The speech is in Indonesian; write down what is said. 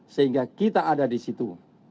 sehingga kita ada di situ